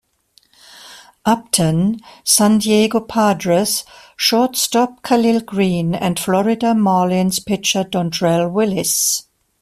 Upton, San Diego Padres shortstop Khalil Greene and Florida Marlins pitcher Dontrelle Willis.